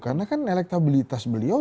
karena kan elektabilitas beliau